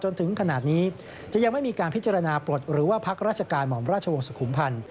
จนถึงขนาดนี้จะยังไม่มีการพิจารณาปลดหรือว่าพักราชการหม่อมราชวงศ์สุขุมพันธ์